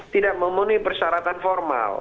tidak memenuhi persyaratan formal